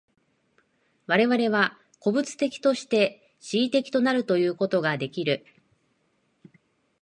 我々は個物的として思惟的となるということができる。